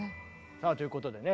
さあということでね